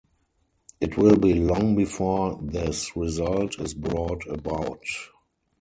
It will be long before this result is brought about.